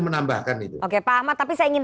menambahkan itu oke pak ahmad tapi saya ingin